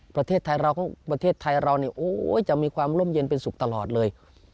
ประเทศไทยเราเนี่ยโอ้จะมีความร่มเย็นเป็นสุขตลอดเลย